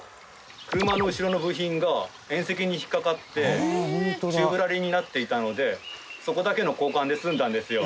車の後ろの部品が縁石に引っかかって宙ぶらりんになっていたのでそこだけの交換で済んだんですよ。